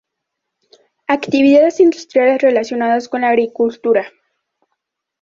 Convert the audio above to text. Actividades industriales relacionadas con la agricultura.